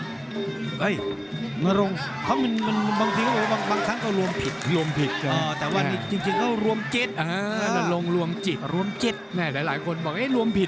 เฮ้ยมันลงเขาบางทีบอกว่าบางครั้งก็รวมผิด